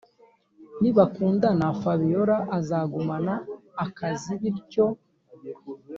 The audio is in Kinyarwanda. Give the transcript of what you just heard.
nibakundana fabiora azagumana akazi bintyo